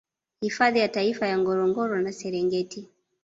Hifadhi ya Taifa ya Ngorongoro na Serengeti